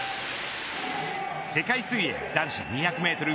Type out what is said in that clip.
世界水泳、男子２００メートル